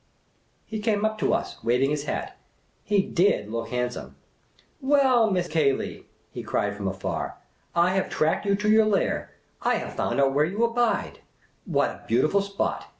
He came up to us, waiting his hat. He did look hand some !" Well, Miss Cayley," he cried from afar, " I have tracked you to your lair ! I have found out where you abide ! What a beautiful spot